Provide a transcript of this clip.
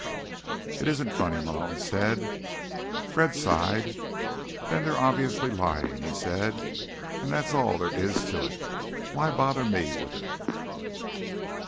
"It isn't funny," Malone said. Fred sighed. "Then they're obviously lying," he said, "and that's all there is to it. Why bother me with it?"